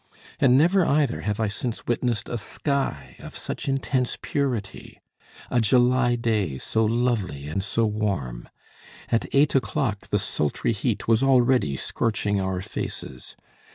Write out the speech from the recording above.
And never either have I since witnessed a sky of such intense purity, a July day so lovely and so warm; at eight o'clock the sultry heat was already scorching our faces.